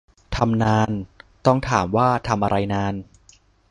ทำนาน ต้องถามว่าทำอะไรนาน